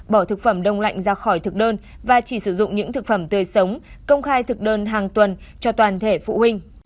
bỏ thực phẩm đông lạnh ra khỏi thực đơn và chỉ sử dụng những thực phẩm tươi sống công khai thực đơn hàng tuần cho toàn thể phụ huynh